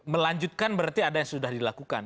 melanjutkan berarti ada yang sudah dilakukan